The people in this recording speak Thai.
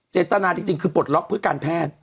เจตนาจริงคือปลดล็อกเพื่อการแพทย์